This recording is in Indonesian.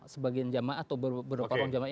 sebagian jamaah atau beberapa orang jamaah